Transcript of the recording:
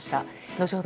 後ほど